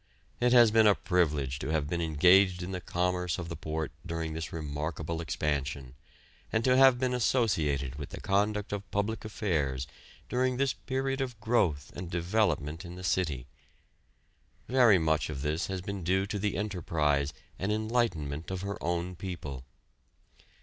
It has been a privilege to have been engaged in the commerce of the port during this remarkable expansion, and to have been associated with the conduct of public affairs during this period of growth and development in the city. Very much of this has been due to the enterprise and enlightenment of her own people.